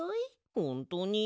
ほんとに？